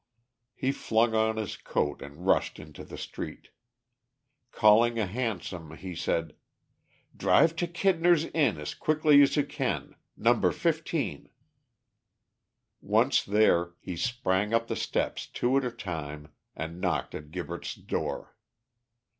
He flung on his coat, and rushed into the street. Calling a hansom, he said "Drive to Kidner's Inn as quickly as you can. No. 15." Once there, he sprang up the steps two at a time, and knocked at Gibberts' door.